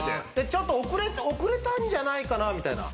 ちょっと遅れたんじゃないかなみたいな。